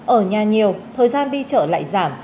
ở nhà nhiều thời gian đi chợ lại giảm